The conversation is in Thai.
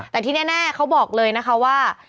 แต่ที่แน่เขาบอกเลยนะคะว่า